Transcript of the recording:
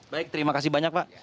baik terima kasih banyak pak